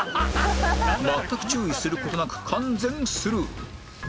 全く注意する事なく完全スルー